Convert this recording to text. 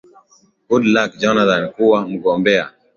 goodluck jonathan kuwa mgombea